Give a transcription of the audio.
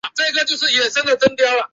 入职必修课